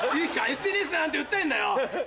ＳＮＳでなんて訴えんなよ！